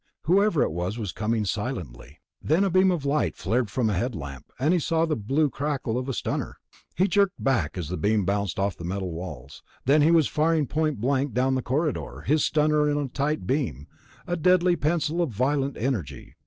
Whoever it was was coming silently.... Then a beam of light flared from a headlamp, and he saw the blue crackle of a stunner. He jerked back as the beam bounced off the metal walls. Then he was firing point blank down the corridor, his stunner on a tight beam, a deadly pencil of violent energy.